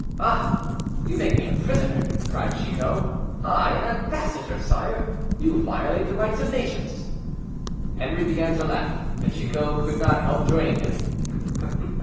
"Ah! you make me a prisoner," cried Chicot; "I, an ambassador. Sire, you violate the rights of nations." Henri began to laugh, and Chicot could not help joining him.